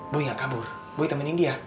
boy ga kabur boy temenin dia